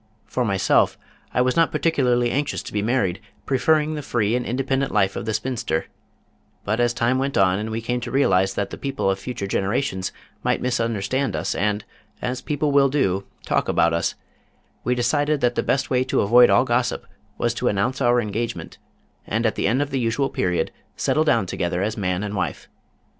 For myself, I was not particularly anxious to be married, preferring the free and independent life of the spinster, but as time went on and we came to realize that the people of future generations might misunderstand us and, as people will do, talk about us, we decided that the best way to avoid all gossip was to announce our engagement, and at the end of the usual period, settle down together as man and wife.